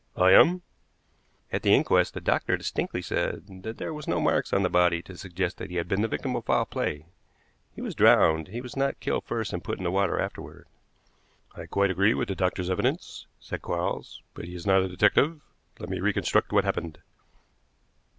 "I am." "At the inquest the doctor distinctly said that there were no marks on the body to suggest he had been the victim of foul play. He was drowned; he was not killed first and put in the water afterward." "I quite agree with the doctor's evidence," said Quarles, "but he is not a detective. Let me reconstruct what happened.